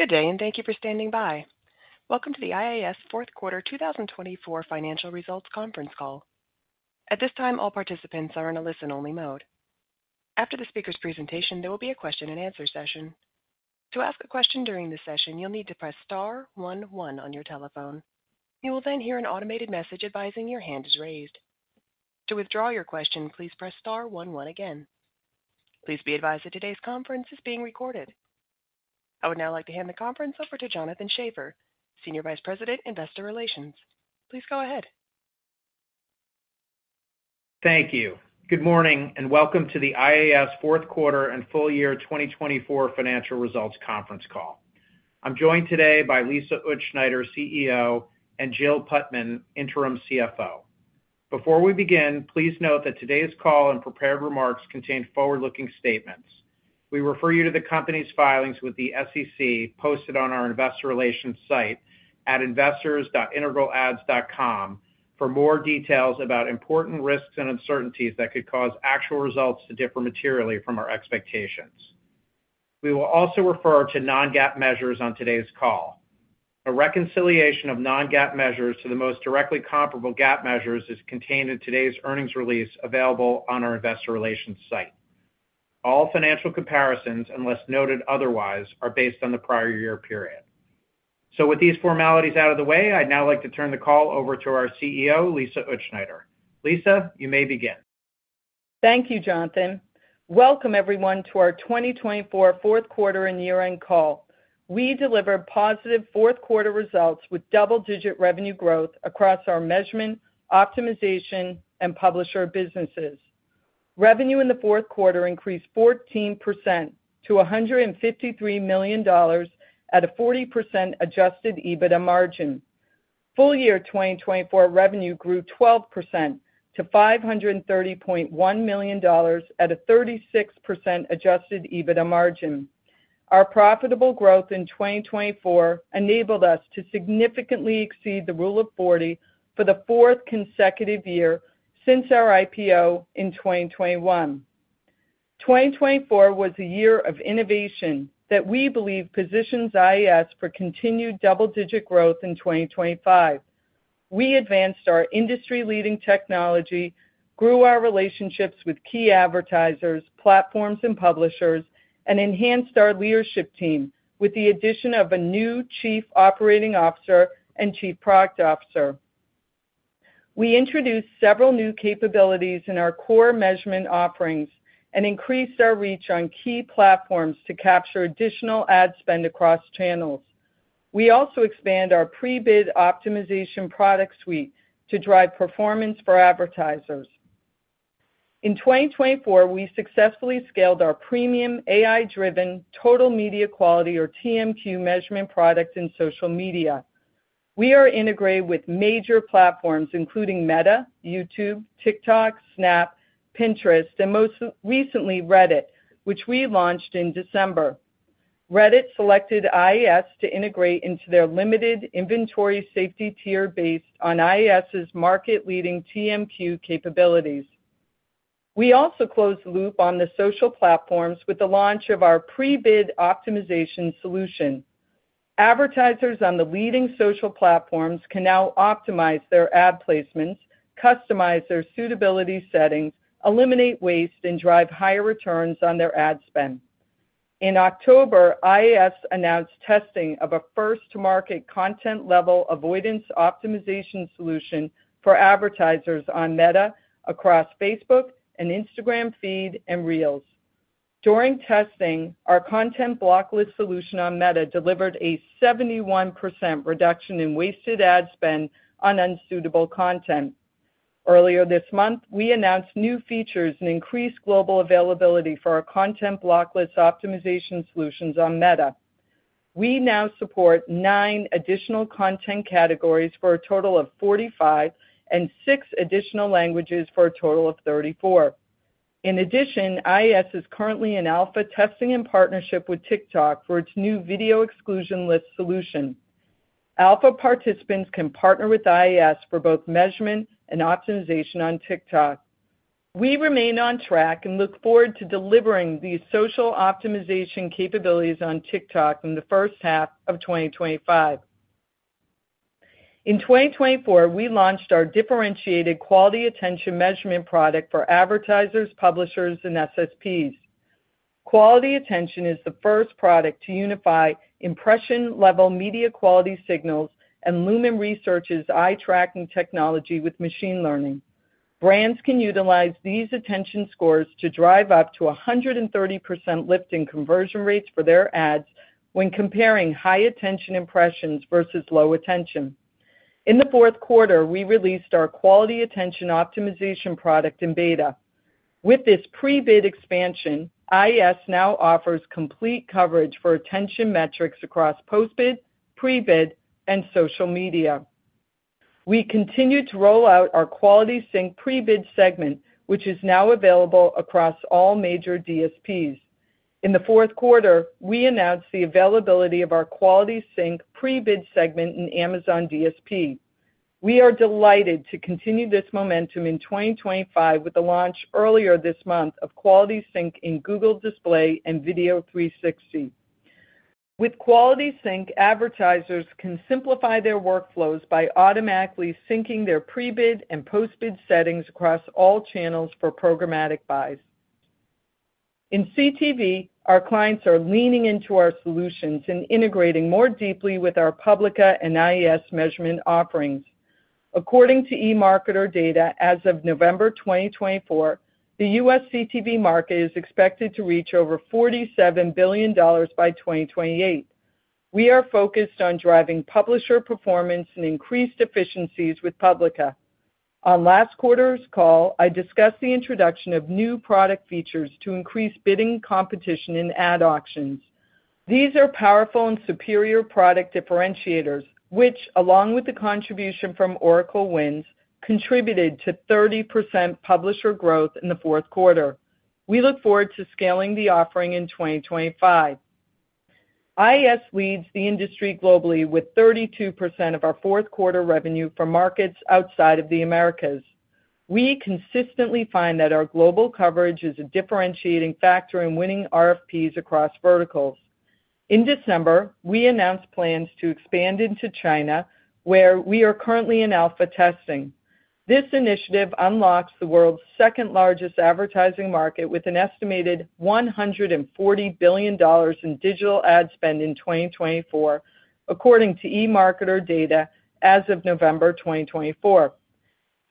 Good day, and thank you for standing by. Welcome to the IAS Fourth Quarter 2024 Financial Results Conference Call. At this time, all participants are in a listen-only mode. After the speaker's presentation, there will be a question-and-answer session. To ask a question during this session, you'll need to press star one one on your telephone. You will then hear an automated message advising your hand is raised. To withdraw your question, please press star one one again. Please be advised that today's conference is being recorded. I would now like to hand the conference over to Jonathan Schaffer, Senior Vice President, Investor Relations. Please go ahead. Thank you. Good morning, and welcome to the IAS Fourth Quarter and Full Year 2024 Financial Results Conference Call. I'm joined today by Lisa Utzschneider, CEO, and Jill Putman, Interim CFO. Before we begin, please note that today's call and prepared remarks contain forward-looking statements. We refer you to the company's filings with the SEC posted on our investor relations site at investors.integralads.com for more details about important risks and uncertainties that could cause actual results to differ materially from our expectations. We will also refer to non-GAAP measures on today's call. A reconciliation of non-GAAP measures to the most directly comparable GAAP measures is contained in today's earnings release available on our investor relations site. All financial comparisons, unless noted otherwise, are based on the prior year period. With these formalities out of the way, I'd now like to turn the call over to our CEO, Lisa Utzschneider. Lisa, you may begin. Thank you, Jonathan. Welcome, everyone, to our 2024 fourth quarter and year-end call. We delivered positive fourth quarter results with double-digit revenue growth across our measurement, optimization, and publisher businesses. Revenue in the fourth quarter increased 14% to $153 million at a 40% adjusted EBITDA margin. Full year 2024 revenue grew 12% to $530.1 million at a 36% adjusted EBITDA margin. Our profitable growth in 2024 enabled us to significantly exceed the Rule of 40 for the fourth consecutive year since our IPO in 2021. 2024 was a year of innovation that we believe positions IAS for continued double-digit growth in 2025. We advanced our industry-leading technology, grew our relationships with key advertisers, platforms, and publishers, and enhanced our leadership team with the addition of a new Chief Operating Officer and Chief Product Officer. We introduced several new capabilities in our core measurement offerings and increased our reach on key platforms to capture additional ad spend across channels. We also expand our pre-bid optimization product suite to drive performance for advertisers. In 2024, we successfully scaled our premium AI-driven Total Media Quality, or TMQ, measurement product in social media. We are integrated with major platforms including Meta, YouTube, TikTok, Snap, Pinterest, and most recently Reddit, which we launched in December. Reddit selected IAS to integrate into their limited inventory safety tier based on IAS's market-leading TMQ capabilities. We also closed the loop on the social platforms with the launch of our pre-bid optimization solution. Advertisers on the leading social platforms can now optimize their ad placements, customize their suitability settings, eliminate waste, and drive higher returns on their ad spend. In October, IAS announced testing of a first-to-market content-level avoidance optimization solution for advertisers on Meta across Facebook and Instagram feed and Reels. During testing, our content blocklist solution on Meta delivered a 71% reduction in wasted ad spend on unsuitable content. Earlier this month, we announced new features and increased global availability for our content blocklist optimization solutions on Meta. We now support nine additional content categories for a total of 45 and six additional languages for a total of 34. In addition, IAS is currently in alpha testing in partnership with TikTok for its new video exclusion list solution. Alpha participants can partner with IAS for both measurement and optimization on TikTok. We remain on track and look forward to delivering these social optimization capabilities on TikTok in the first half of 2025. In 2024, we launched our differentiated quality attention measurement product for advertisers, publishers, and SSPs. Quality attention is the first product to unify impression-level media quality signals and Lumen Research's eye-tracking technology with machine learning. Brands can utilize these attention scores to drive up to 130% lift in conversion rates for their ads when comparing high attention impressions versus low attention. In the fourth quarter, we released our quality attention optimization product in beta. With this pre-bid expansion, IAS now offers complete coverage for attention metrics across post-bid, pre-bid, and social media. We continue to roll out our quality sync pre-bid segment, which is now available across all major DSPs. In the fourth quarter, we announced the availability of our quality sync pre-bid segment in Amazon DSP. We are delighted to continue this momentum in 2025 with the launch earlier this month of quality sync in Google Display and Video 360. With Quality Sync, advertisers can simplify their workflows by automatically syncing their pre-bid and post-bid settings across all channels for programmatic buys. In CTV, our clients are leaning into our solutions and integrating more deeply with our Public and IAS measurement offerings. According to eMarketer data, as of November 2024, the U.S. CTV market is expected to reach over $47 billion by 2028. We are focused on driving publisher performance and increased efficiencies with Public. On last quarter's call, I discussed the introduction of new product features to increase bidding competition in ad auctions. These are powerful and superior product differentiators, which, along with the contribution from Oracle wins, contributed to 30% publisher growth in the fourth quarter. We look forward to scaling the offering in 2025. IAS leads the industry globally with 32% of our fourth quarter revenue from markets outside of the Americas. We consistently find that our global coverage is a differentiating factor in winning RFPs across verticals. In December, we announced plans to expand into China, where we are currently in alpha testing. This initiative unlocks the world's second-largest advertising market with an estimated $140 billion in digital ad spend in 2024, according to eMarketer data as of November 2024.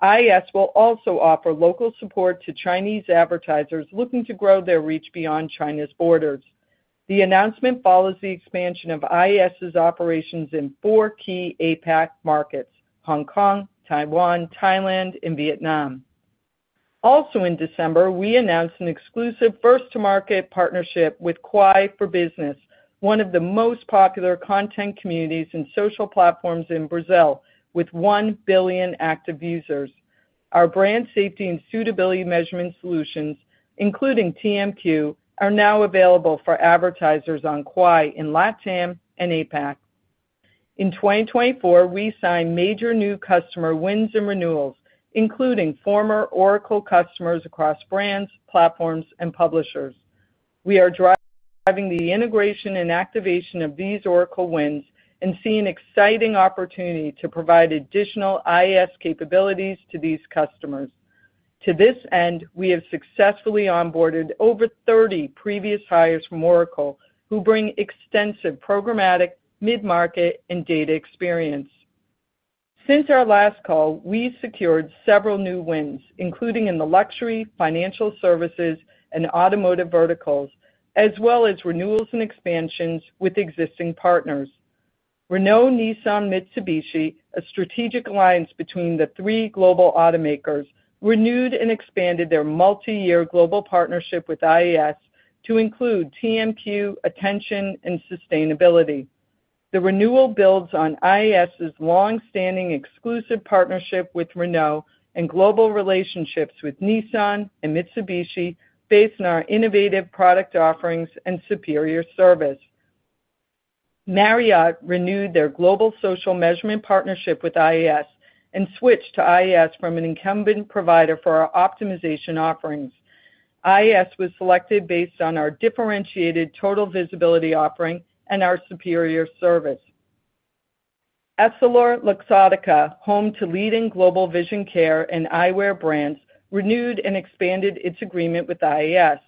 IAS will also offer local support to Chinese advertisers looking to grow their reach beyond China's borders. The announcement follows the expansion of IAS's operations in four key APAC markets, Hong Kong, Taiwan, Thailand, and Vietnam. Also, in December, we announced an exclusive first-to-market partnership with Kwai for Business, one of the most popular content communities and social platforms in Brazil, with 1 billion active users. Our brand safety and suitability measurement solutions, including TMQ, are now available for advertisers on Kwai in LATAM and APAC. In 2024, we signed major new customer wins and renewals, including former Oracle customers across brands, platforms, and publishers. We are driving the integration and activation of these Oracle wins and see an exciting opportunity to provide additional IAS capabilities to these customers. To this end, we have successfully onboarded over 30 previous hires from Oracle who bring extensive programmatic, mid-market, and data experience. Since our last call, we secured several new wins, including in the luxury, financial services, and automotive verticals, as well as renewals and expansions with existing partners. Renault-Nissan-Mitsubishi, a strategic alliance between the three global automakers, renewed and expanded their multi-year global partnership with IAS to include TMQ, attention, and sustainability. The renewal builds on IAS's long-standing exclusive partnership with Renault and global relationships with Nissan and Mitsubishi based on our innovative product offerings and superior service. Marriott renewed their global social measurement partnership with IAS and switched to IAS from an incumbent provider for our optimization offerings. IAS was selected based on our differentiated Total Visibility offering and our superior service. EssilorLuxottica, home to leading global vision care and eyewear brands, renewed and expanded its agreement with IAS.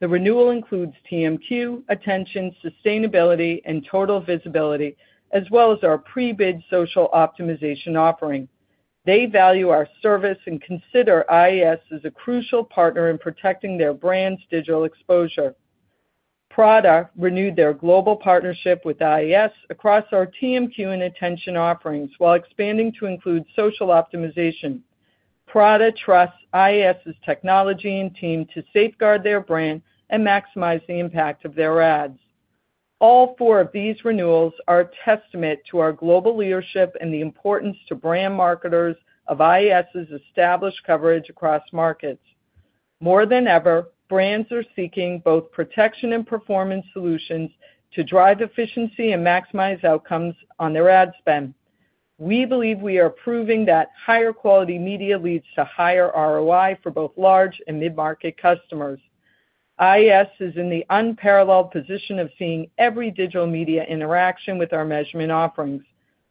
The renewal includes TMQ, attention, sustainability, and Total Visibility, as well as our pre-bid social optimization offering. They value our service and consider IAS as a crucial partner in protecting their brand's digital exposure. Prada renewed their global partnership with IAS across our TMQ and attention offerings while expanding to include social optimization. Prada trusts IAS's technology and team to safeguard their brand and maximize the impact of their ads. All four of these renewals are a testament to our global leadership and the importance to brand marketers of IAS's established coverage across markets. More than ever, brands are seeking both protection and performance solutions to drive efficiency and maximize outcomes on their ad spend. We believe we are proving that higher quality media leads to higher ROI for both large and mid-market customers. IAS is in the unparalleled position of seeing every digital media interaction with our measurement offerings.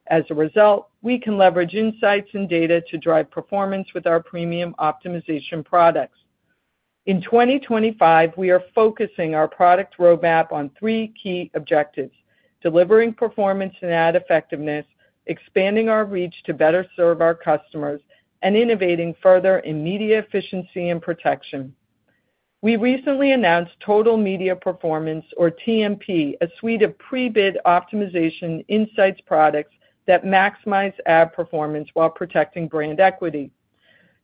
As a result, we can leverage insights and data to drive performance with our premium optimization products. In 2025, we are focusing our product roadmap on three key objectives, delivering performance and ad effectiveness, expanding our reach to better serve our customers, and innovating further in media efficiency and protection. We recently announced Total Media Performance, or TMP, a suite of pre-bid optimization insights products that maximize ad performance while protecting brand equity.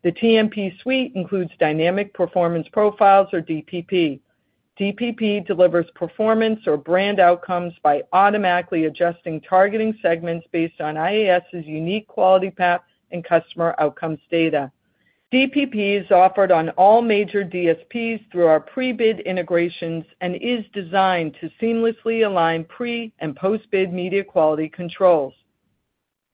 The TMP suite includes Dynamic Performance Profiles, or DPP. DPP delivers performance or brand outcomes by automatically adjusting targeting segments based on IAS's unique quality path and customer outcomes data. DPP is offered on all major DSPs through our pre-bid integrations and is designed to seamlessly align pre- and post-bid media quality controls.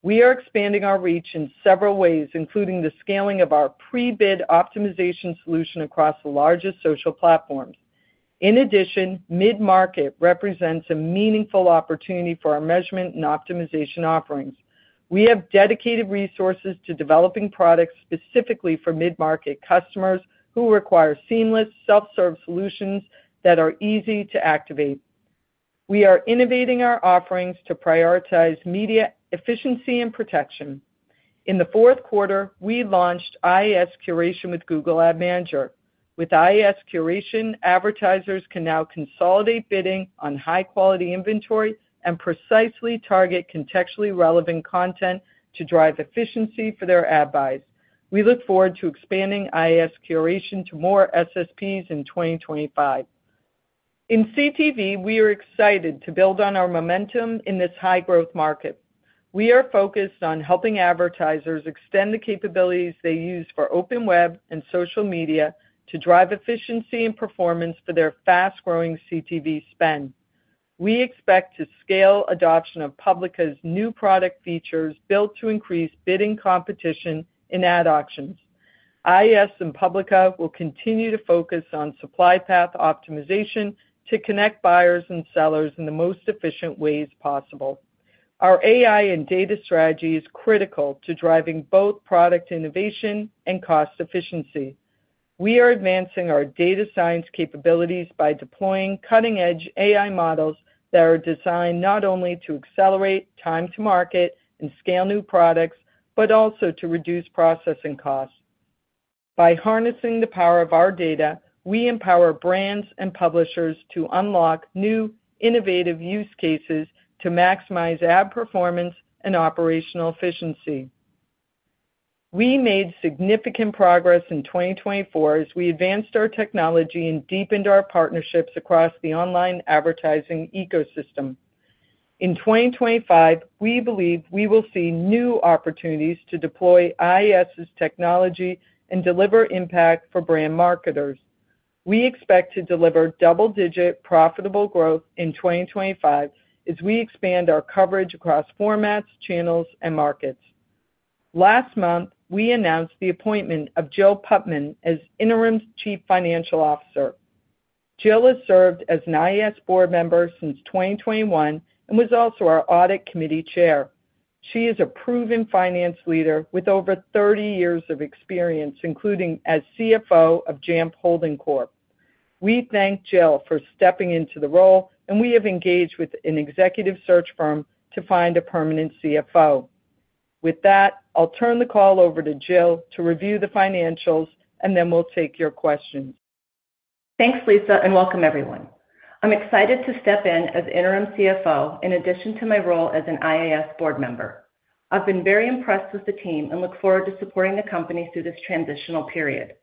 We are expanding our reach in several ways, including the scaling of our pre-bid optimization solution across the largest social platforms. In addition, mid-market represents a meaningful opportunity for our measurement and optimization offerings. We have dedicated resources to developing products specifically for mid-market customers who require seamless self-serve solutions that are easy to activate. We are innovating our offerings to prioritize media efficiency and protection. In the fourth quarter, we launched IAS Curation with Google Ad Manager. With IAS Curation, advertisers can now consolidate bidding on high-quality inventory and precisely target contextually relevant content to drive efficiency for their ad buys. We look forward to expanding IAS Curation to more SSPs in 2025. In CTV, we are excited to build on our momentum in this high-growth market. We are focused on helping advertisers extend the capabilities they use for open web and social media to drive efficiency and performance for their fast-growing CTV spend. We expect to scale adoption of Publica's new product features built to increase bidding competition in ad auctions. IAS and Publica will continue to focus on supply path optimization to connect buyers and sellers in the most efficient ways possible. Our AI and data strategy is critical to driving both product innovation and cost efficiency. We are advancing our data science capabilities by deploying cutting-edge AI models that are designed not only to accelerate time to market and scale new products, but also to reduce processing costs. By harnessing the power of our data, we empower brands and publishers to unlock new innovative use cases to maximize ad performance and operational efficiency. We made significant progress in 2024 as we advanced our technology and deepened our partnerships across the online advertising ecosystem. In 2025, we believe we will see new opportunities to deploy IAS's technology and deliver impact for brand marketers. We expect to deliver double-digit profitable growth in 2025 as we expand our coverage across formats, channels, and markets. Last month, we announced the appointment of Jill Putman as Interim Chief Financial Officer. Jill has served as an IAS board member since 2021 and was also our Audit Committee Chair. She is a proven finance leader with over 30 years of experience, including as CFO of Jamf Holding Corp. We thank Jill for stepping into the role, and we have engaged with an executive search firm to find a permanent CFO. With that, I'll turn the call over to Jill to review the financials, and then we'll take your questions. Thanks, Lisa, and welcome everyone. I'm excited to step in as interim CFO in addition to my role as an IAS board member. I've been very impressed with the team and look forward to supporting the company through this transitional period.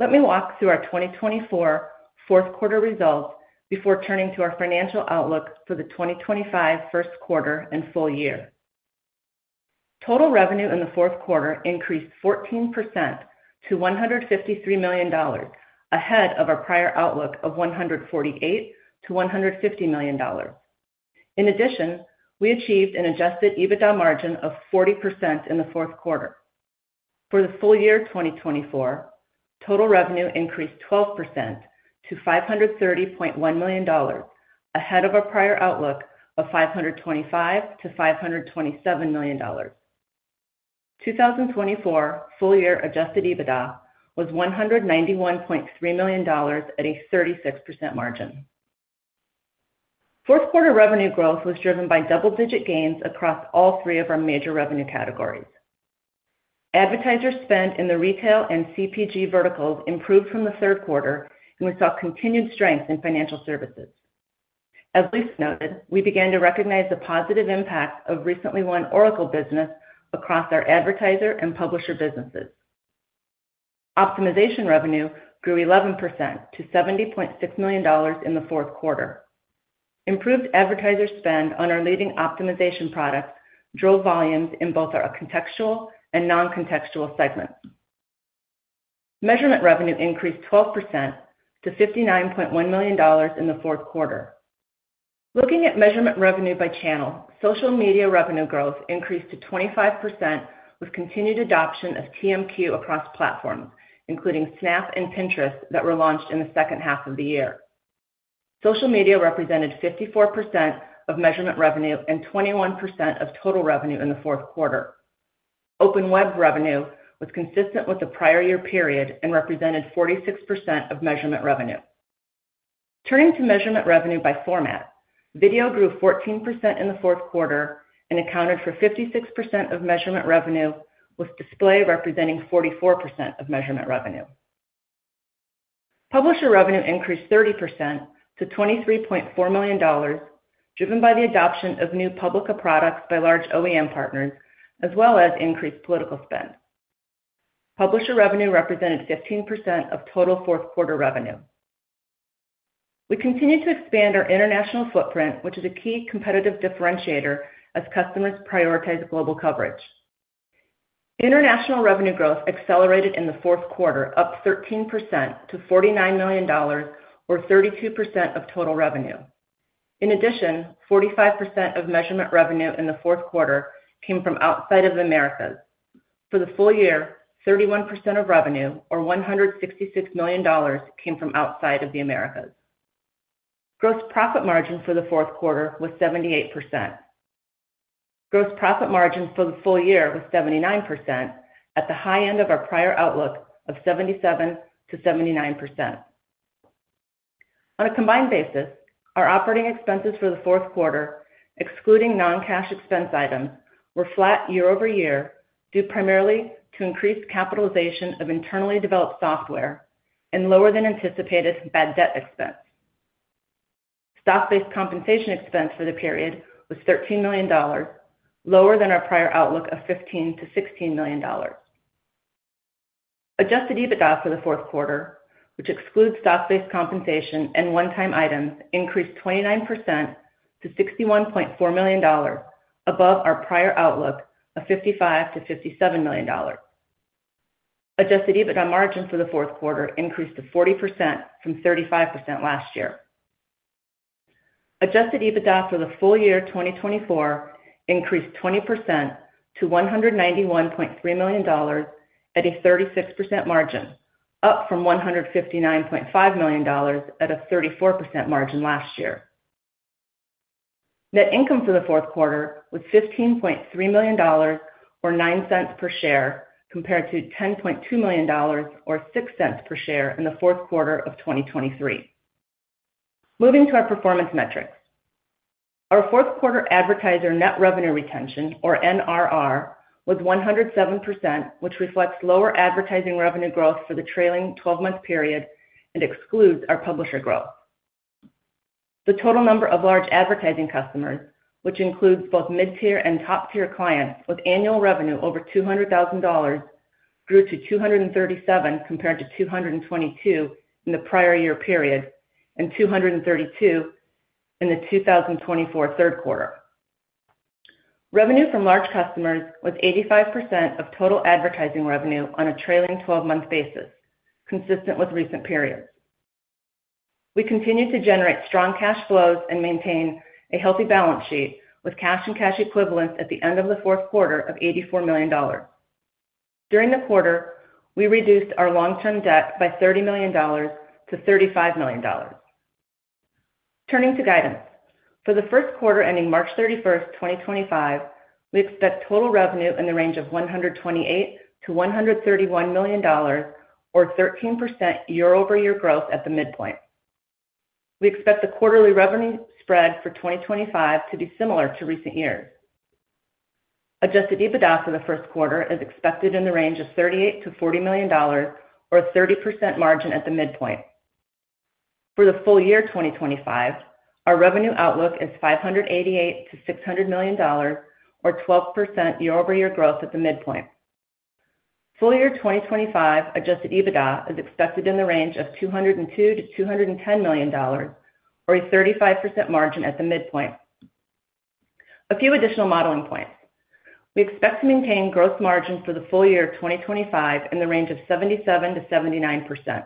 Let me walk through our 2024 fourth quarter results before turning to our financial outlook for the 2025 first quarter and full year. Total revenue in the fourth quarter increased 14% to $153 million, ahead of our prior outlook of $148milllion-$150 million. In addition, we achieved an adjusted EBITDA margin of 40% in the fourth quarter. For the full year 2024, total revenue increased 12% to $530.1 million, ahead of our prior outlook of $525 million-$527 million. 2024 full-year adjusted EBITDA was $191.3 million at a 36% margin. Fourth quarter revenue growth was driven by double-digit gains across all three of our major revenue categories. Advertiser spend in the retail and CPG verticals improved from the third quarter, and we saw continued strength in financial services. As Lisa noted, we began to recognize the positive impact of recently won Oracle business across our advertiser and publisher businesses. Optimization revenue grew 11% to $70.6 million in the fourth quarter. Improved advertiser spend on our leading optimization products drove volumes in both our contextual and non-contextual segments. Measurement revenue increased 12% to $59.1 million in the fourth quarter. Looking at measurement revenue by channel, social media revenue growth increased to 25% with continued adoption of TMQ across platforms, including Snap and Pinterest that were launched in the second half of the year. Social media represented 54% of measurement revenue and 21% of total revenue in the fourth quarter. Open web revenue was consistent with the prior year period and represented 46% of measurement revenue. Turning to measurement revenue by format, video grew 14% in the fourth quarter and accounted for 56% of measurement revenue, with display representing 44% of measurement revenue. Publisher revenue increased 30% to $23.4 million, driven by the adoption of new Publica products by large OEM partners, as well as increased political spend. Publisher revenue represented 15% of total fourth quarter revenue. We continue to expand our international footprint, which is a key competitive differentiator as customers prioritize global coverage. International revenue growth accelerated in the fourth quarter, up 13% to $49 million, or 32% of total revenue. In addition, 45% of measurement revenue in the fourth quarter came from outside of the Americas. For the full year, 31% of revenue, or $166 million, came from outside of the Americas. Gross profit margin for the fourth quarter was 78%. Gross profit margin for the full year was 79%, at the high end of our prior outlook of 77%-79%. On a combined basis, our operating expenses for the fourth quarter, excluding non-cash expense items, were flat year-over-year, due primarily to increased capitalization of internally developed software and lower than anticipated bad debt expense. Stock-based compensation expense for the period was $13 million, lower than our prior outlook of $15million-$16 million. Adjusted EBITDA for the fourth quarter, which excludes stock-based compensation and one-time items, increased 29% to $61.4 million, above our prior outlook of $55 million-$57 million. Adjusted EBITDA margin for the fourth quarter increased to 40% from 35% last year. Adjusted EBITDA for the full year 2024 increased 20% to $191.3 million at a 36% margin, up from $159.5 million at a 34% margin last year. Net income for the fourth quarter was $15.3 million, or $0.09 per share, compared to $10.2 million, or $0.06 per share in the fourth quarter of 2023. Moving to our performance metrics. Our fourth quarter advertiser net revenue retention, or NRR, was 107%, which reflects lower advertising revenue growth for the trailing 12-month period and excludes our publisher growth. The total number of large advertising customers, which includes both mid-tier and top-tier clients with annual revenue over $200,000, grew to $237,000 compared to $222,000 in the prior year period and $232,000 in the 2024 third quarter. Revenue from large customers was 85% of total advertising revenue on a trailing 12-month basis, consistent with recent periods. We continued to generate strong cash flows and maintain a healthy balance sheet with cash and cash equivalents at the end of the fourth quarter of $84 million. During the quarter, we reduced our long-term debt by $30 million-$35 million. Turning to guidance. For the first quarter ending March 31st, 2025, we expect total revenue in the range of $128 million-$131 million, or 13% year-over-year growth at the mid-point. We expect the quarterly revenue spread for 2025 to be similar to recent years. Adjusted EBITDA for the first quarter is expected in the range of $38 million-$40 million, or a 30% margin at the mid-point. For the full year 2025, our revenue outlook is $588-$600 million, or 12% year-over-year growth at the mid-point. Full year 2025 adjusted EBITDA is expected in the range of $202 million-$210 million, or a 35% margin at the mid-point. A few additional modeling points. We expect to maintain gross margin for the full year 2025 in the range of 77%-79%.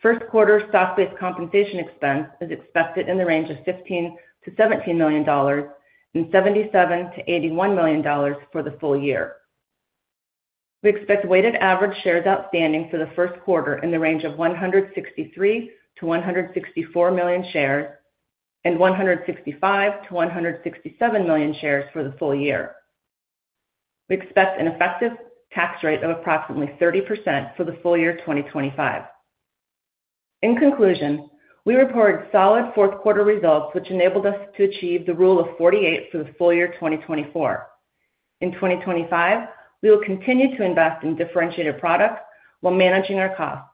First quarter stock-based compensation expense is expected in the range of $15 million-$17 million and $77 million-$81 million for the full year. We expect weighted average shares outstanding for the first quarter in the range of 163 million-164 million shares and 165 million-167 million shares for the full-year. We expect an effective tax rate of approximately 30% for the full year 2025. In conclusion, we reported solid fourth quarter results, which enabled us to achieve the rule of 48 for the full year 2024. In 2025, we will continue to invest in differentiated products while managing our costs.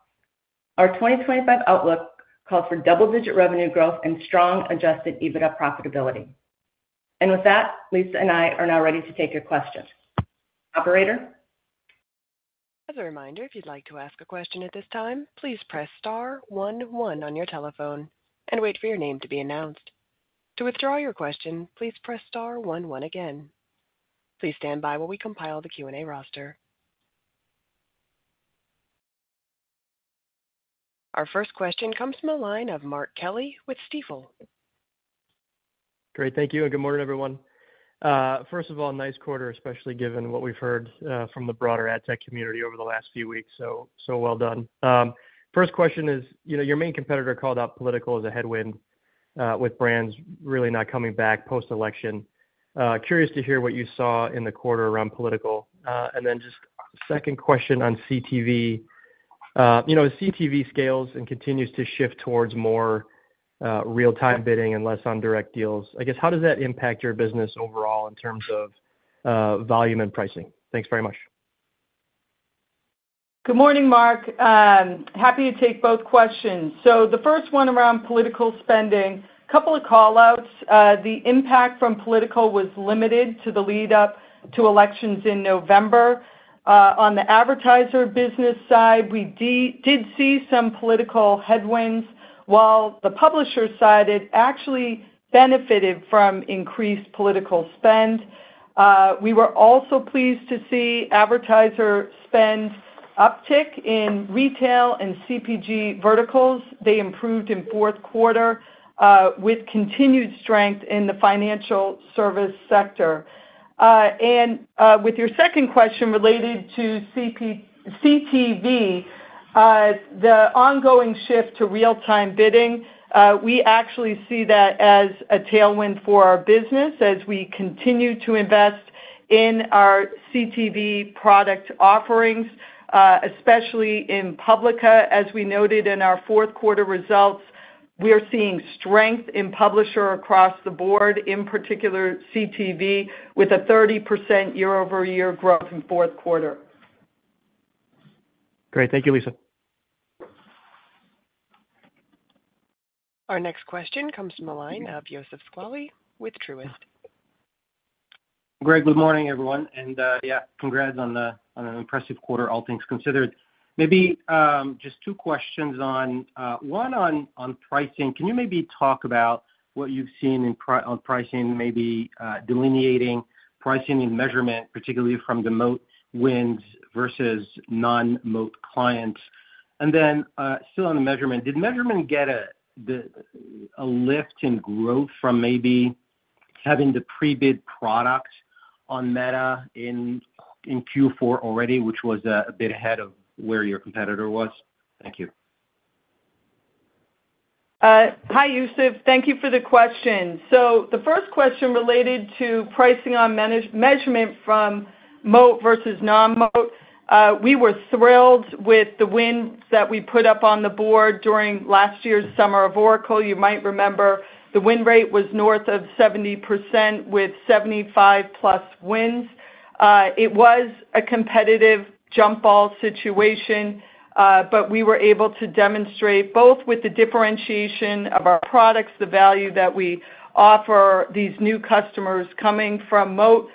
Our 2025 outlook calls for double-digit revenue growth and strong adjusted EBITDA profitability. Lisa and I are now ready to take your questions. Operator. As a reminder, if you'd like to ask a question at this time, please press star one one on your telephone and wait for your name to be announced. To withdraw your question, please press star one one again. Please stand by while we compile the Q&A roster. Our first question comes from a line of Mark Kelley with Stifel. Great. Thank you. And good morning, everyone. First of all, nice quarter, especially given what we've heard from the broader ad tech community over the last few weeks. So, well done. First question is, you know, your main competitor called out Political as a headwind with brands really not coming back post-election. Curious to hear what you saw in the quarter around Political. And then just second question on CTV. You know, as CTV scales and continues to shift towards more real-time bidding and less on direct deals, I guess, how does that impact your business overall in terms of volume and pricing? Thanks very much. Good morning, Mark. Happy to take both questions. The first one around Political spending, a couple of callouts. The impact from Political was limited to the lead-up to elections in November. On the advertiser business side, we did see some political headwinds, while the publisher side actually benefited from increased political spend. We were also pleased to see advertiser spend uptick in retail and CPG verticals. They improved in fourth quarter with continued strength in the financial service sector. With your second question related to CTV, the ongoing shift to real-time bidding, we actually see that as a tailwind for our business as we continue to invest in our CTV product offerings, especially in Publica. As we noted in our fourth quarter results, we are seeing strength in publisher across the board, in particular CTV, with a 30% year-over-year growth in fourth quarter. Great. Thank you, Lisa. Our next question comes from a line of Youssef Squali, with Truist. Great, good morning, everyone. Yeah, congrats on an impressive quarter, all things considered. Maybe just two questions, one on pricing. Can you maybe talk about what you've seen on pricing, maybe delineating pricing and measurement, particularly from the Moat wins versus non-Moat clients? Still on the measurement, did measurement get a lift in growth from maybe having the pre-bid product on Meta in Q4 already, which was a bit ahead of where your competitor was? Thank you. Hi, Youssef. Thank you for the question. The first question related to pricing on measurement from Moat versus non-Moat. We were thrilled with the wins that we put up on the board during last year's Summer of Oracle. You might remember the win rate was north of 70% with 75+ wins. It was a competitive jump ball situation, but we were able to demonstrate, both with the differentiation of our products, the value that we offer these new customers coming from Moat.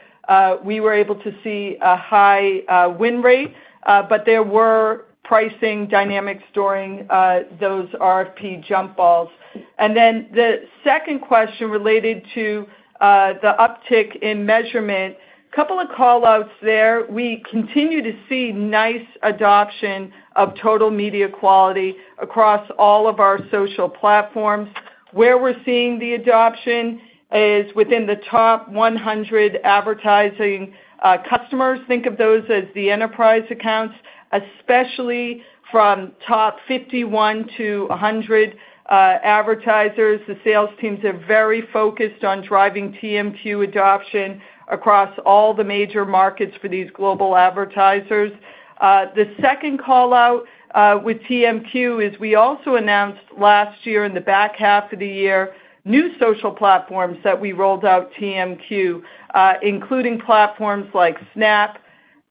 We were able to see a high win rate, but there were pricing dynamics during those RFP jump balls. The second question related to the uptick in measurement, a couple of callouts there. We continue to see nice adoption of Total Media Quality across all of our social platforms. Where we're seeing the adoption is within the top 100 advertising customers. Think of those as the enterprise accounts, especially from top 51-100 advertisers. The sales teams are very focused on driving TMQ adoption across all the major markets for these global advertisers. The second callout with TMQ is we also announced last year in the back half of the year new social platforms that we rolled out TMQ, including platforms like Snap,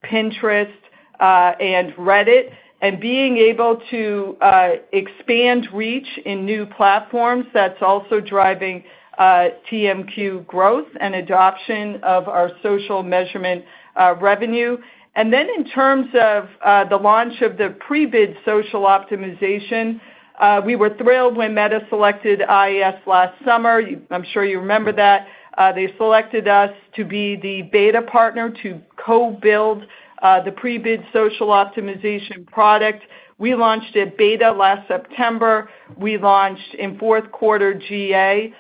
Pinterest, and Reddit. Being able to expand reach in new platforms, that's also driving TMQ growth and adoption of our social measurement revenue. In terms of the launch of the pre-bid social optimization, we were thrilled when Meta selected IAS last summer. I'm sure you remember that. They selected us to be the beta partner to co-build the pre-bid social optimization product. We launched at beta last September. We launched in fourth quarter GA.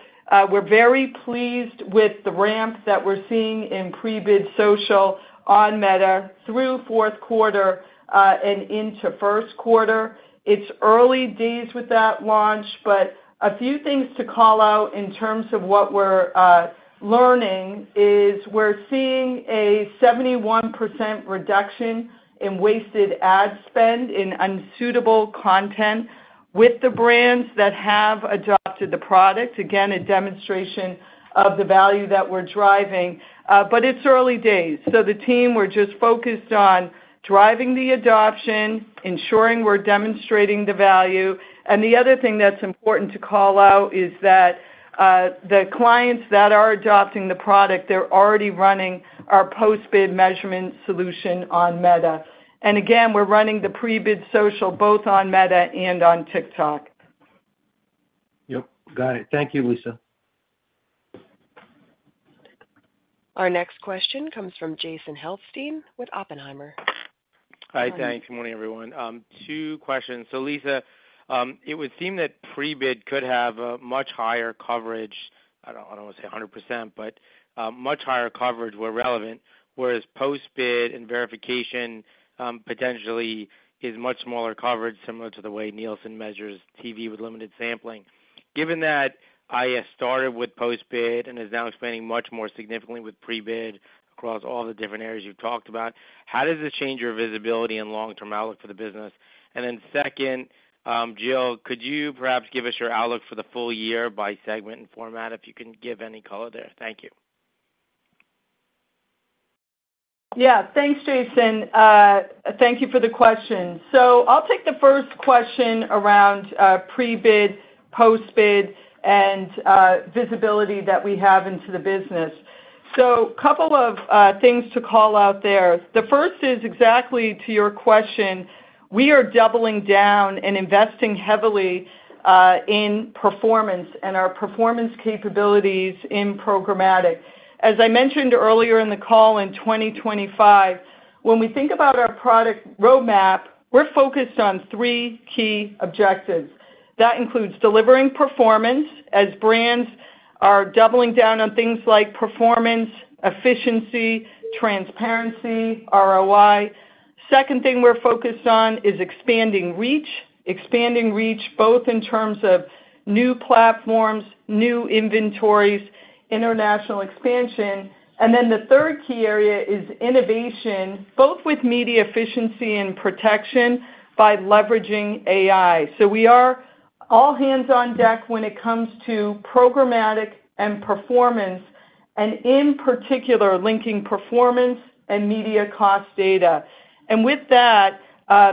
We're very pleased with the ramp that we're seeing in pre-bid social on Meta through fourth quarter and into first quarter. It's early days with that launch, but a few things to call out in terms of what we're learning is we're seeing a 71% reduction in wasted ad spend in unsuitable content with the brands that have adopted the product. Again, a demonstration of the value that we're driving. It's early days. The team were just focused on driving the adoption, ensuring we're demonstrating the value. The other thing that's important to call out is that the clients that are adopting the product, they're already running our post-bid measurement solution on Meta. Again, we're running the pre-bid social both on Meta and on TikTok. Yep. Got it. Thank you, Lisa. Our next question comes from Jason Helfstein with Oppenheimer. Hi, thanks. Good morning, everyone. Two questions. Lisa, it would seem that pre-bid could have a much higher coverage. I don't want to say 100%, but much higher coverage where relevant, whereas post-bid and verification potentially is much smaller coverage, similar to the way Nielsen measures TV with limited sampling. Given that IAS started with post-bid and is now expanding much more significantly with pre-bid across all the different areas you've talked about, how does this change your visibility and long-term outlook for the business? Second, Jill, could you perhaps give us your outlook for the full-year by segment and format if you can give any color there? Thank you. Yeah. Thanks, Jason. Thank you for the question. I'll take the first question around pre-bid, post-bid, and visibility that we have into the business. A couple of things to call out there. The first is exactly to your question. We are doubling down and investing heavily in performance and our performance capabilities in programmatic. As I mentioned earlier in the call in 2025, when we think about our product roadmap, we're focused on three key objectives. That includes delivering performance as brands are doubling down on things like performance, efficiency, transparency, ROI. The second thing we're focused on is expanding reach, expanding reach both in terms of new platforms, new inventories, international expansion. The third key area is innovation, both with media efficiency and protection by leveraging AI. We are all hands on deck when it comes to programmatic and performance, and in particular, linking performance and media cost data. With that,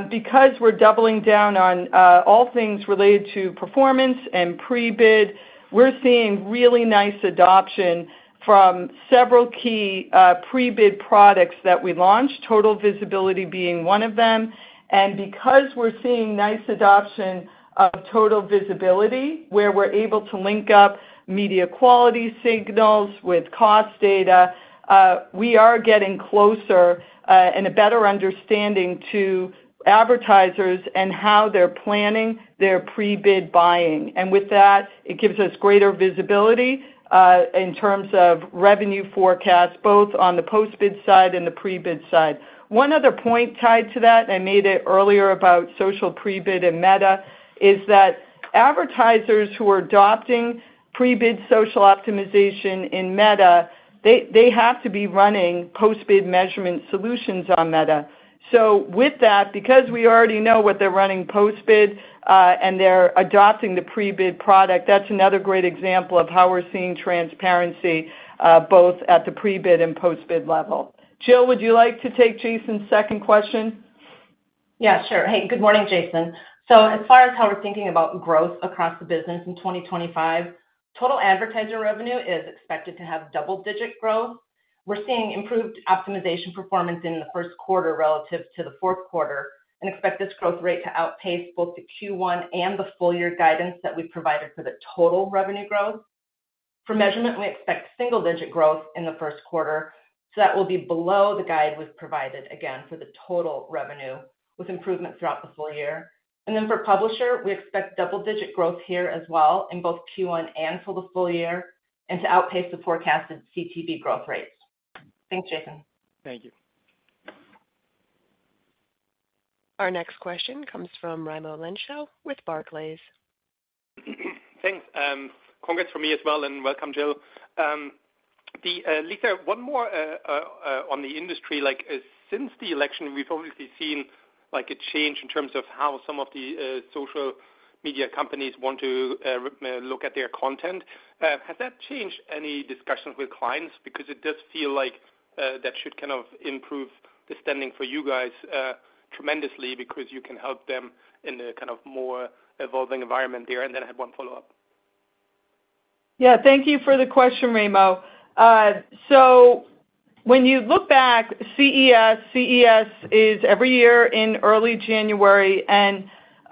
because we're doubling down on all things related to performance and pre-bid, we're seeing really nice adoption from several key pre-bid products that we launched, Total Visibility being one of them. Because we're seeing nice adoption of Total Visibility, where we're able to link up media quality signals with cost data, we are getting closer and a better understanding to advertisers and how they're planning their pre-bid buying. With that, it gives us greater visibility in terms of revenue forecasts both on the post-bid side and the pre-bid side. One other point tied to that, and I made it earlier about social pre-bid and Meta, is that advertisers who are adopting pre-bid social optimization in Meta, they have to be running post-bid measurement solutions on Meta. With that, because we already know what they're running post-bid and they're adopting the pre-bid product, that's another great example of how we're seeing transparency both at the pre-bid and post-bid level. Jill, would you like to take Jason's second question? Yeah, sure. Hey, good morning, Jason. As far as how we're thinking about growth across the business in 2025, total advertiser revenue is expected to have double-digit growth. We're seeing improved optimization performance in the first quarter relative to the fourth quarter and expect this growth rate to outpace both the Q1 and the full year guidance that we've provided for the total revenue growth. For measurement, we expect single-digit growth in the first quarter. That will be below the guide we've provided again for the total revenue with improvement throughout the full year. For publisher, we expect double-digit growth here as well in both Q1 and for the full year and to outpace the forecasted CTV growth rates. Thanks, Jason. Thank you. Our next question comes from Raimo Lenschow with Barclays. Thanks. Congrats from me as well and welcome, Jill. Lisa, one more on the industry. Since the election, we've obviously seen a change in terms of how some of the social media companies want to look at their content. Has that changed any discussions with clients? Because it does feel like that should kind of improve the standing for you guys tremendously because you can help them in a kind of more evolving environment there. I had one follow-up. Thank you for the question, Raimo. When you look back, CES is every year in early January, and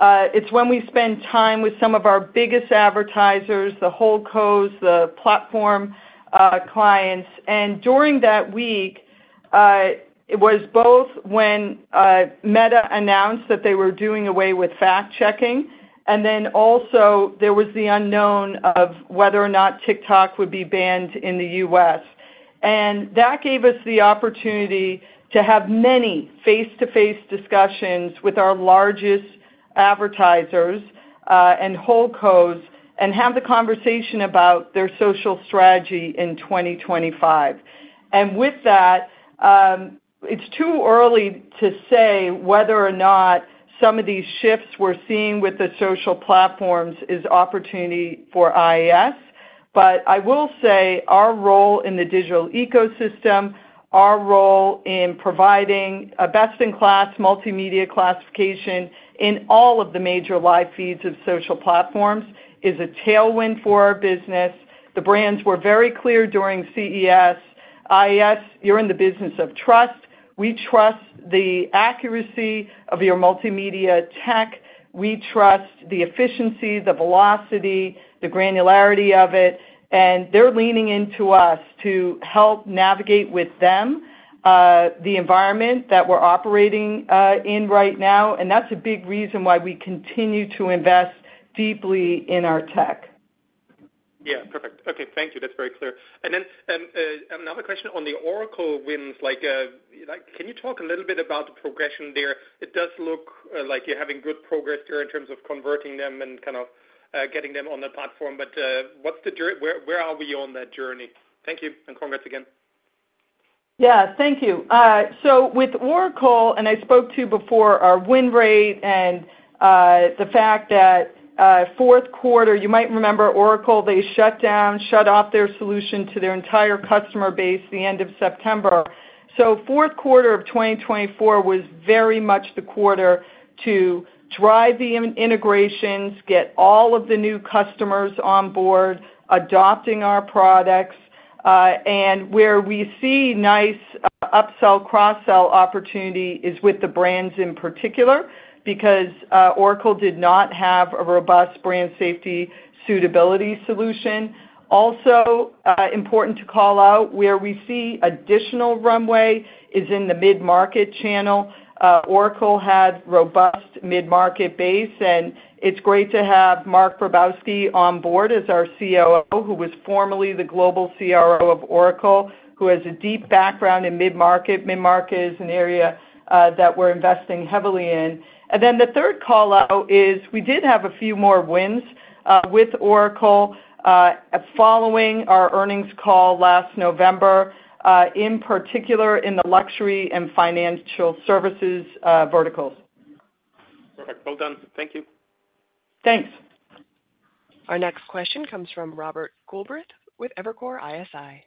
it's when we spend time with some of our biggest advertisers, the holding codes, the platform clients. During that week, it was both when Meta announced that they were doing away with fact-checking, and also there was the unknown of whether or not TikTok would be banned in the US. That gave us the opportunity to have many face-to-face discussions with our largest advertisers and hold codes and have the conversation about their social strategy in 2025. With that, it's too early to say whether or not some of these shifts we're seeing with the social platforms is opportunity for IAS. I will say our role in the digital ecosystem, our role in providing a best-in-class multimedia classification in all of the major live feeds of social platforms is a tailwind for our business. The brands were very clear during CES. IAS, you're in the business of trust. We trust the accuracy of your multimedia tech. We trust the efficiency, the velocity, the granularity of it. They're leaning into us to help navigate with them the environment that we're operating in right now. That's a big reason why we continue to invest deeply in our tech. Yeah. Perfect. Okay. Thank you. That's very clear. Another question on the Oracle wins. Can you talk a little bit about the progression there? It does look like you're having good progress there in terms of converting them and kind of getting them on the platform. Where are we on that journey? Thank you. Congrats again. Yeah. Thank you. With Oracle, and I spoke to you before, our win rate and the fact that fourth quarter, you might remember Oracle, they shut down, shut off their solution to their entire customer base the end of September. Fourth quarter of 2024 was very much the quarter to drive the integrations, get all of the new customers on board, adopting our products. Where we see nice upsell, cross-sell opportunity is with the brands in particular because Oracle did not have a robust brand safety suitability solution. Also, important to call out, where we see additional runway is in the mid-market channel. Oracle had robust mid-market base, and it's great to have Marc Grabowski on board as our COO, who was formerly the global CRO of Oracle, who has a deep background in mid-market. Mid-market is an area that we're investing heavily in. The third callout is we did have a few more wins with Oracle following our earnings call last November, in particular in the luxury and financial services verticals. Perfect. Well done. Thank you. Thanks. Our next question comes from Robert Coolbrith with Evercore ISI.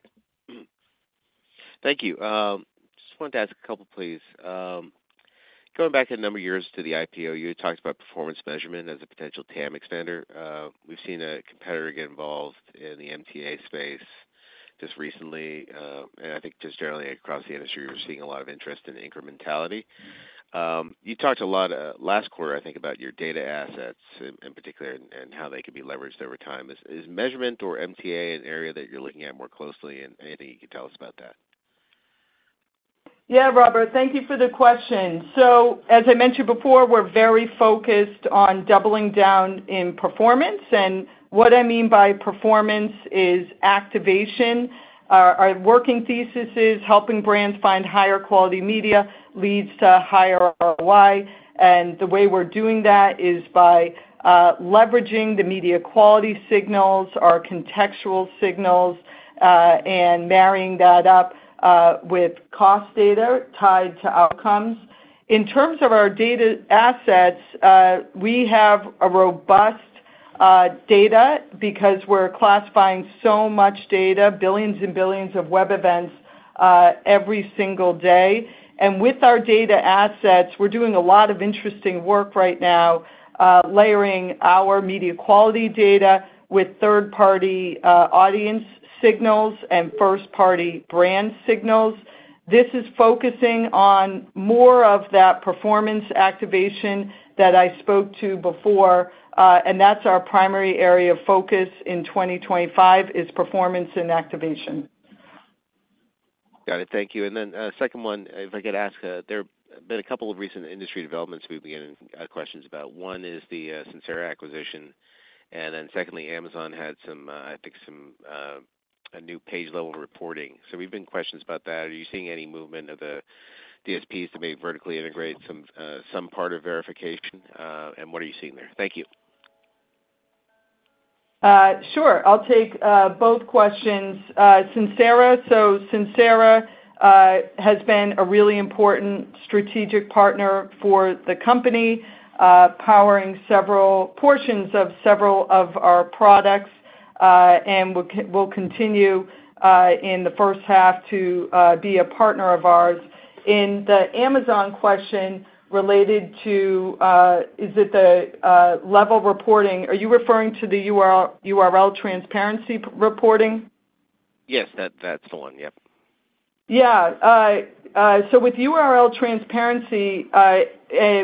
Thank you. Just wanted to ask a couple, please. Going back a number of years to the IPO, you talked about performance measurement as a potential TAM expander. We've seen a competitor get involved in the MTA space just recently. I think just generally across the industry, we're seeing a lot of interest in incrementality. You talked a lot last quarter, I think, about your data assets in particular and how they could be leveraged over time. Is measurement or MTA an area that you're looking at more closely? Anything you can tell us about that? Yeah, Robert, thank you for the question. As I mentioned before, we're very focused on doubling down in performance. What I mean by performance is activation. Our working thesis is helping brands find higher quality media leads to higher ROI. The way we're doing that is by leveraging the media quality signals, our contextual signals, and marrying that up with cost data tied to outcomes. In terms of our data assets, we have robust data because we're classifying so much data, billions and billions of web events every single day. With our data assets, we're doing a lot of interesting work right now, layering our media quality data with third-party audience signals and first-party brand signals. This is focusing on more of that performance activation that I spoke to before. That's our primary area of focus in 2025, performance and activation. Got it. Thank you. The second one, if I could ask, there have been a couple of recent industry developments we've been getting questions about. One is the Sincera acquisition. Secondly, Amazon had some, I think, some new page-level reporting. We've been getting questions about that. Are you seeing any movement of the DSPs to maybe vertically integrate some part of verification? What are you seeing there? Thank you. Sure. I'll take both questions. Sincera. Sincera has been a really important strategic partner for the company, powering several portions of several of our products and will continue in the first half to be a partner of ours. The Amazon question related to, is it the level reporting? Are you referring to the URL transparency reporting? Yes, that's the one. Yep. With URL transparency,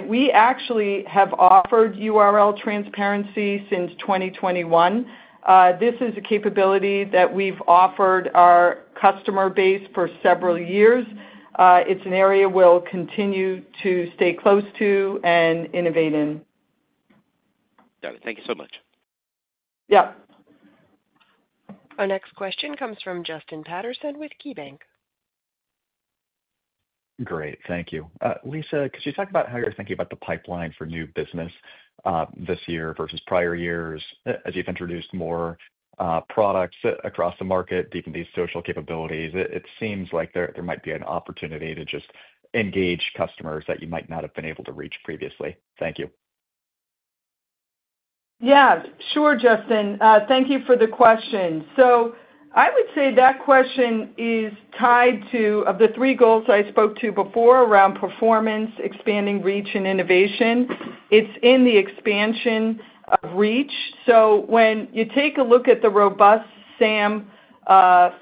we actually have offered URL transparency since 2021. This is a capability that we've offered our customer base for several years. It's an area we'll continue to stay close to and innovate in. Got it. Thank you so much. Yep. Our next question comes from Justin Patterson with KeyBanc. Great. Thank you. Lisa, could you talk about how you're thinking about the pipeline for new business this year versus prior years as you've introduced more products across the market, deepened these social capabilities? It seems like there might be an opportunity to just engage customers that you might not have been able to reach previously. Thank you. Yeah. Sure, Justin. Thank you for the question. I would say that question is tied to the three goals I spoke to before around performance, expanding reach, and innovation. It is in the expansion of reach. When you take a look at the robust SAM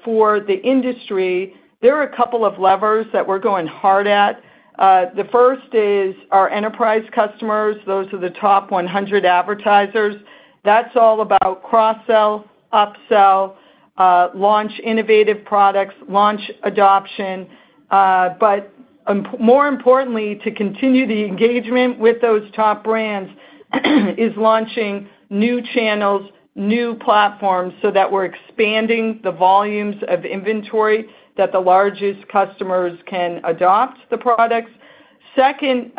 for the industry, there are a couple of levers that we're going hard at. The first is our enterprise customers. Those are the top 100 advertisers. That is all about cross-sell, upsell, launch innovative products, launch adoption. More importantly, to continue the engagement with those top brands is launching new channels, new platforms so that we're expanding the volumes of inventory that the largest customers can adopt the products. Second,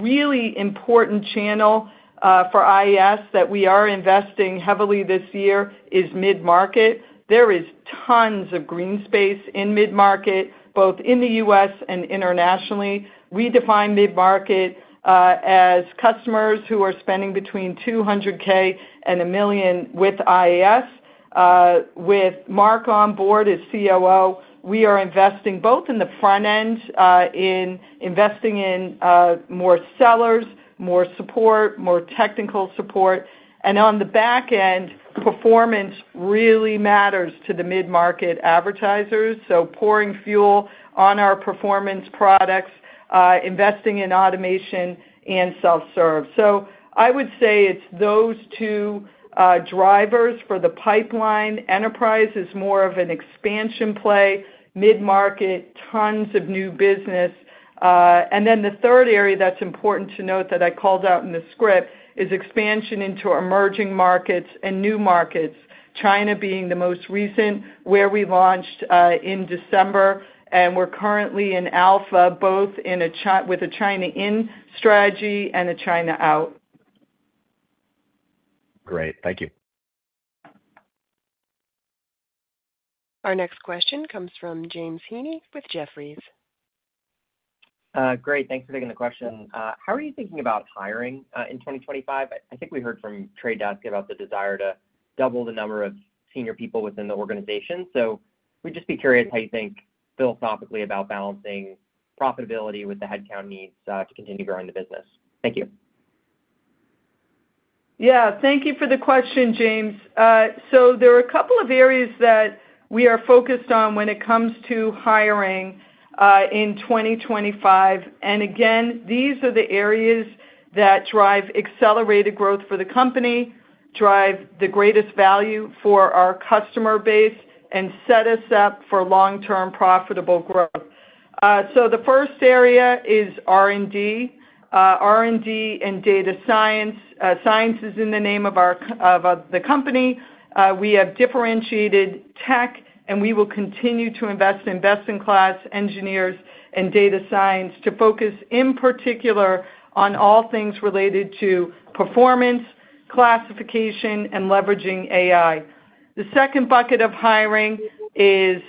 really important channel for IAS that we are investing heavily this year is mid-market. There is tons of green space in mid-market, both in the US and internationally. We define mid-market as customers who are spending between $200,000 and $1 million with IAS. With Mark on board as COO, we are investing both in the front end, in investing in more sellers, more support, more technical support. On the back end, performance really matters to the mid-market advertisers. Pouring fuel on our performance products, investing in automation and self-serve. I would say it's those two drivers for the pipeline. Enterprise is more of an expansion play, mid-market, tons of new business. The third area that's important to note that I called out in the script is expansion into emerging markets and new markets, China being the most recent where we launched in December. We are currently in alpha, both with a China-in strategy and a China-out. Great. Thank you. Our next question comes from James Heaney with Jefferies. Great. Thanks for taking the question. How are you thinking about hiring in 2025? I think we heard from Trade Desk about the desire to double the number of senior people within the organization. We would just be curious how you think philosophically about balancing profitability with the headcount needs to continue growing the business. Thank you. Yeah. Thank you for the question, James. There are a couple of areas that we are focused on when it comes to hiring in 2025. These are the areas that drive accelerated growth for the company, drive the greatest value for our customer base, and set us up for long-term profitable growth. The first area is R&D. R&D and data science. Science is in the name of the company. We have differentiated tech, and we will continue to invest in best-in-class engineers and data science to focus in particular on all things related to performance, classification, and leveraging AI. The second bucket of hiring is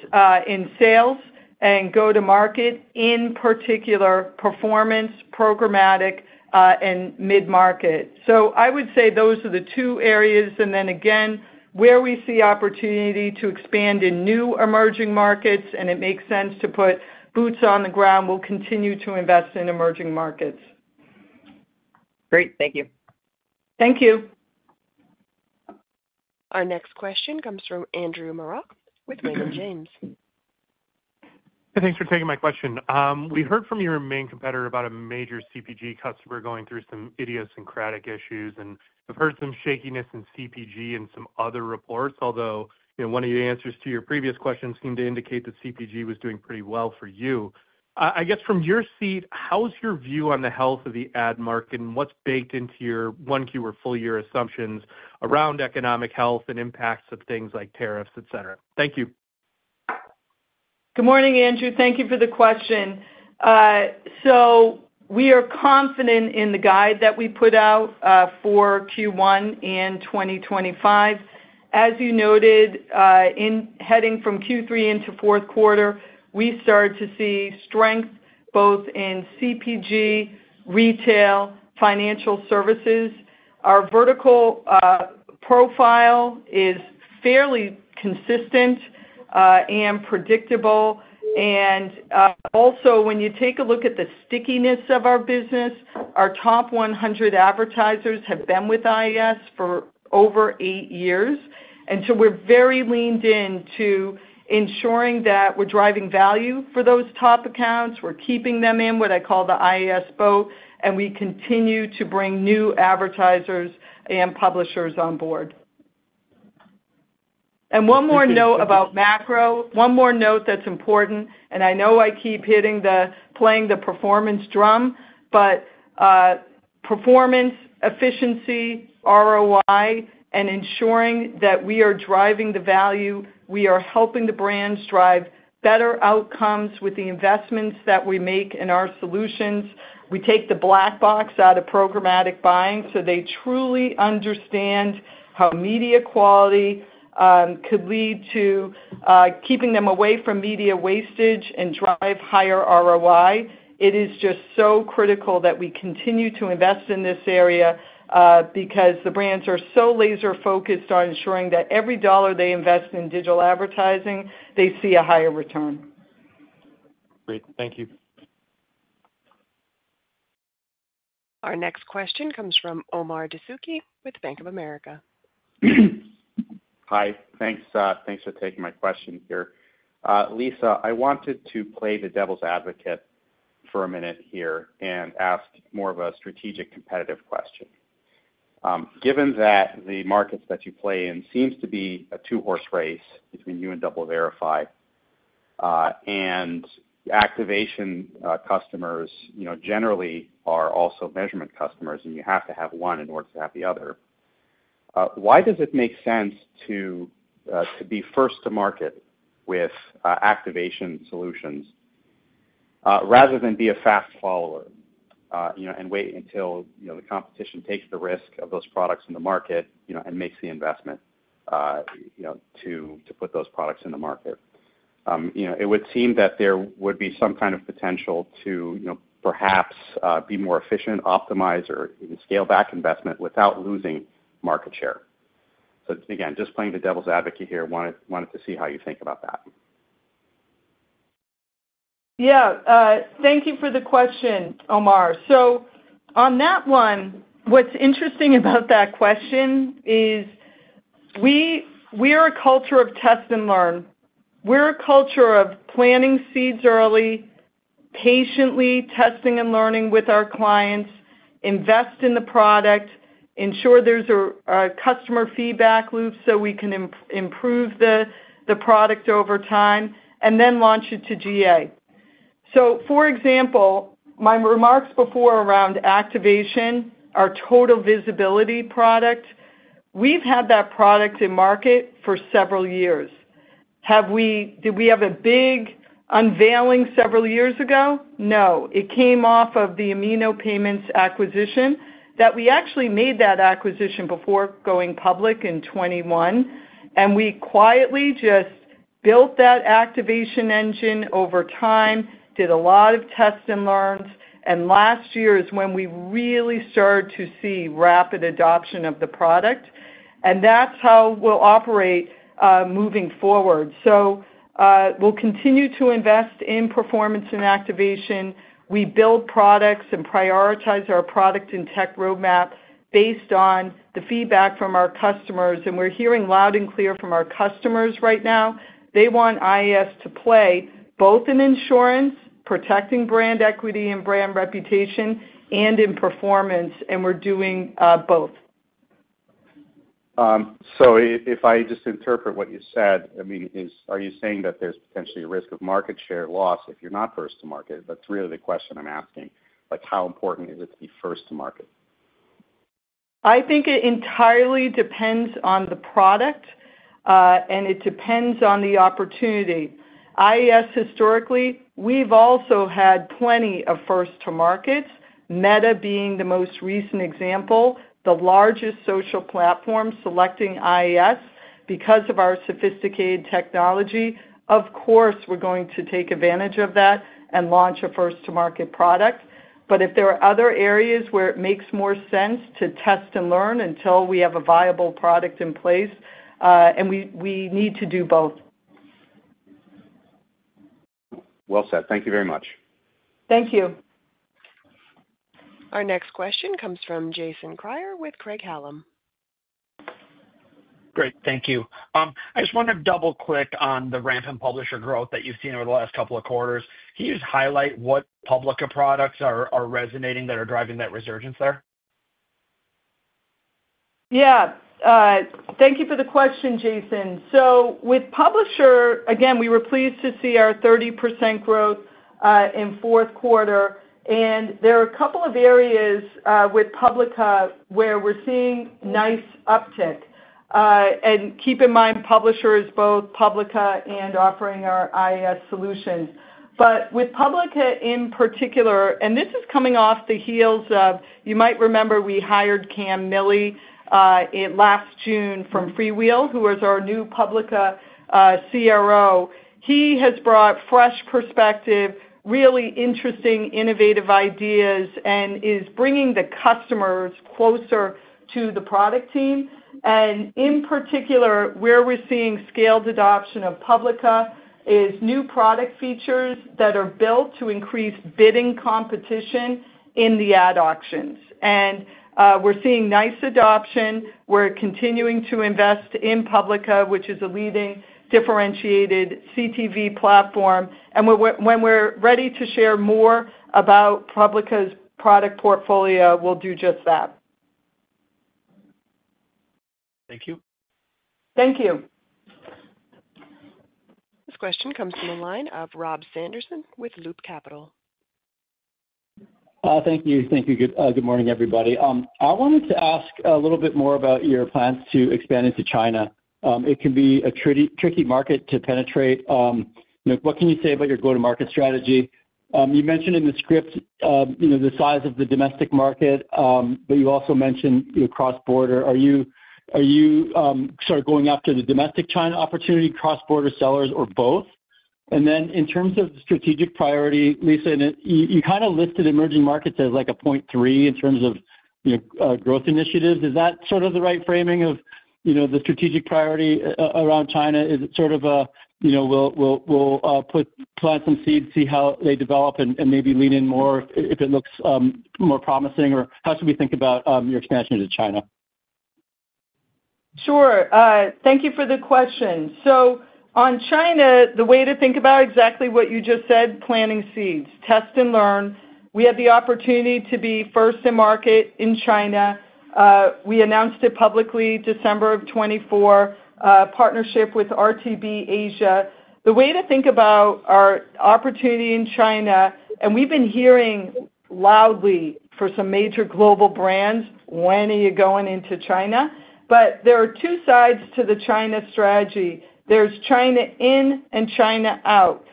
in sales and go-to-market, in particular performance, programmatic, and mid-market. I would say those are the two areas. Where we see opportunity to expand in new emerging markets and it makes sense to put boots on the ground, we will continue to invest in emerging markets. Great. Thank you. Thank you. Our next question comes from Andrew Marok with Raymond James. Thanks for taking my question. We heard from your main competitor about a major CPG customer going through some idiosyncratic issues. We've heard some shakiness in CPG and some other reports, although one of your answers to your previous question seemed to indicate that CPG was doing pretty well for you. I guess from your seat, how's your view on the health of the ad market and what's baked into your one-key or full-year assumptions around economic health and impacts of things like tariffs, etc.? Thank you. Good morning, Andrew. Thank you for the question. We are confident in the guide that we put out for Q1 and 2025. As you noted, heading from Q3 into fourth quarter, we started to see strength both in CPG, retail, financial services. Our vertical profile is fairly consistent and predictable. Also, when you take a look at the stickiness of our business, our top 100 advertisers have been with IAS for over eight years. We are very leaned into ensuring that we are driving value for those top accounts. We are keeping them in what I call the IAS boat, and we continue to bring new advertisers and publishers on board. One more note about macro, one more note that is important, and I know I keep hitting the playing the performance drum, but performance, efficiency, ROI, and ensuring that we are driving the value, we are helping the brands drive better outcomes with the investments that we make in our solutions. We take the black box out of programmatic buying so they truly understand how media quality could lead to keeping them away from media wastage and drive higher ROI. It is just so critical that we continue to invest in this area because the brands are so laser-focused on ensuring that every dollar they invest in digital advertising, they see a higher return. Great. Thank you. Our next question comes from Omar Dessouky with Bank of America. Hi. Thanks for taking my question here. Lisa, I wanted to play the devil's advocate for a minute here and ask more of a strategic competitive question. Given that the markets that you play in seem to be a two-horse race between you and Double Verify and activation customers generally are also measurement customers, and you have to have one in order to have the other, why does it make sense to be first to market with activation solutions rather than be a fast follower and wait until the competition takes the risk of those products in the market and makes the investment to put those products in the market? It would seem that there would be some kind of potential to perhaps be more efficient, optimize, or scale back investment without losing market share. Again, just playing the devil's advocate here, wanted to see how you think about that. Yeah. Thank you for the question, Omar. On that one, what's interesting about that question is we are a culture of test and learn. We're a culture of planting seeds early, patiently testing and learning with our clients, invest in the product, ensure there's a customer feedback loop so we can improve the product over time, and then launch it to GA. For example, my remarks before around activation, our Total Visibility product, we've had that product in market for several years. Did we have a big unveiling several years ago? No. It came off of the Amino Payments acquisition that we actually made that acquisition before going public in 2021, and we quietly just built that activation engine over time, did a lot of tests and learns. Last year is when we really started to see rapid adoption of the product. That's how we'll operate moving forward. We'll continue to invest in performance and activation. We build products and prioritize our product and tech roadmap based on the feedback from our customers. We're hearing loud and clear from our customers right now. They want IAS to play both in insurance, protecting brand equity and brand reputation, and in performance, and we're doing both. If I just interpret what you said, I mean, are you saying that there's potentially a risk of market share loss if you're not first to market? That's really the question I'm asking. How important is it to be first to market? I think it entirely depends on the product, and it depends on the opportunity. IAS, historically, we've also had plenty of first-to-markets, Meta being the most recent example, the largest social platform selecting IAS because of our sophisticated technology. Of course, we're going to take advantage of that and launch a first-to-market product. If there are other areas where it makes more sense to test and learn until we have a viable product in place, we need to do both. Well said. Thank you very much. Thank you. Our next question comes from Jason Kreyer with Craig-Hallam. Great. Thank you. I just want to double-click on the rampant publisher growth that you've seen over the last couple of quarters. Can you just highlight what Publica products are resonating that are driving that resurgence there? Yeah. Thank you for the question, Jason. With publisher, again, we were pleased to see our 30% growth in fourth quarter. There are a couple of areas with Publica where we're seeing nice uptick. Keep in mind, publisher is both Publica and offering our IAS solutions. With Public in particular, and this is coming off the heels of, you might remember we hired Cam Miille last June from FreeWheel, who is our new Public CRO. He has brought fresh perspective, really interesting, innovative ideas, and is bringing the customers closer to the product team. In particular, where we're seeing scaled adoption of Public is new product features that are built to increase bidding competition in the ad auctions. We're seeing nice adoption. We're continuing to invest in Public, which is a leading differentiated CTV platform. When we're ready to share more about Public's product portfolio, we'll do just that. Thank you. Thank you. This question comes from a line of Rob Sanderson with Loop Capital. Thank you. Thank you. Good morning, everybody. I wanted to ask a little bit more about your plans to expand into China. It can be a tricky market to penetrate. What can you say about your go-to-market strategy? You mentioned in the script the size of the domestic market, but you also mentioned cross-border. Are you sort of going after the domestic China opportunity, cross-border sellers, or both? In terms of strategic priority, Lisa, you kind of listed emerging markets as like a 0.3 in terms of growth initiatives. Is that sort of the right framing of the strategic priority around China? Is it sort of a, "We'll plant some seeds, see how they develop, and maybe lean in more if it looks more promising," or how should we think about your expansion into China? Thank you for the question. On China, the way to think about exactly what you just said, planting seeds, test and learn. We have the opportunity to be first to market in China. We announced it publicly December of 2024, partnership with RTB Asia. The way to think about our opportunity in China, and we've been hearing loudly for some major global brands, "When are you going into China?" There are two sides to the China strategy. There is China in and China out.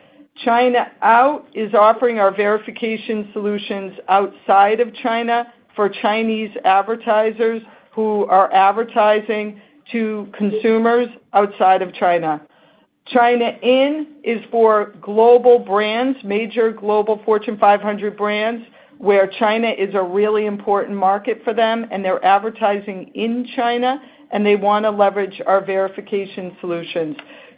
China out is offering our verification solutions outside of China for Chinese advertisers who are advertising to consumers outside of China. China in is for global brands, major global Fortune 500 brands, where China is a really important market for them, and they're advertising in China, and they want to leverage our verification solutions.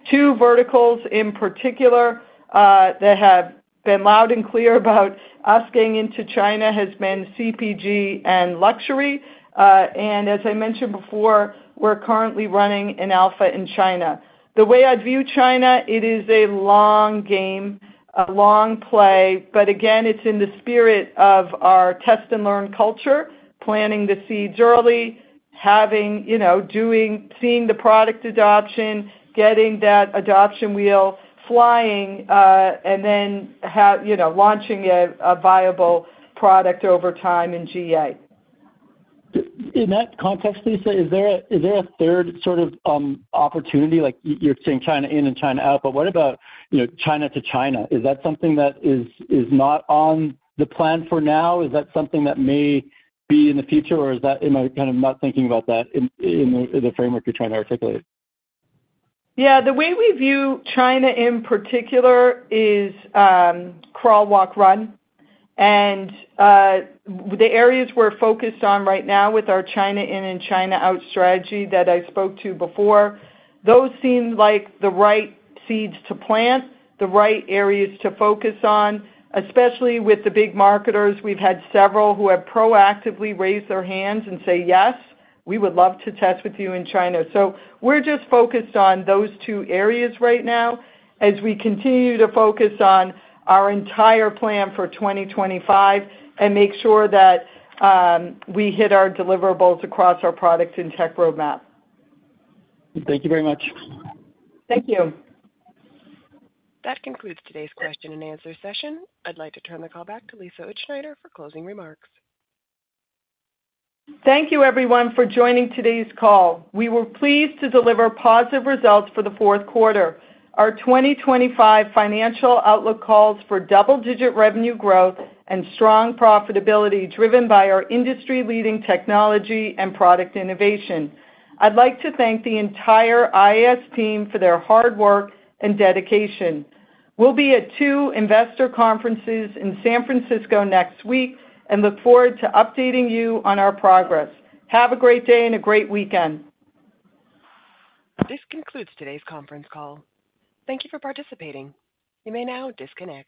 Two verticals in particular that have been loud and clear about us getting into China has been CPG and luxury. As I mentioned before, we're currently running an alpha in China. The way I view China, it is a long game, a long play. Again, it's in the spirit of our test and learn culture, planting the seeds early, doing, seeing the product adoption, getting that adoption wheel flying, and then launching a viable product over time in GA. In that context, Lisa, is there a third sort of opportunity? You're saying China in and China out, but what about China to China? Is that something that is not on the plan for now? Is that something that may be in the future, or am I kind of not thinking about that in the framework you're trying to articulate? Yeah. The way we view China in particular is crawl, walk, run. The areas we're focused on right now with our China in and China out strategy that I spoke to before, those seem like the right seeds to plant, the right areas to focus on, especially with the big marketers. We've had several who have proactively raised their hands and say, "Yes, we would love to test with you in China." We are just focused on those two areas right now as we continue to focus on our entire plan for 2025 and make sure that we hit our deliverables across our product and tech roadmap. Thank you very much. Thank you. That concludes today's question and answer session. I would like to turn the call back to Lisa Utzschneider for closing remarks. Thank you, everyone, for joining today's call. We were pleased to deliver positive results for the fourth quarter. Our 2025 financial outlook calls for double-digit revenue growth and strong profitability driven by our industry-leading technology and product innovation. I would like to thank the entire IAS team for their hard work and dedication. We'll be at two investor conferences in San Francisco next week and look forward to updating you on our progress. Have a great day and a great weekend. This concludes today's conference call. Thank you for participating. You may now disconnect.